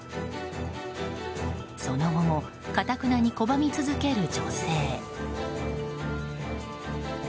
その後もかたくなに拒み続ける女性。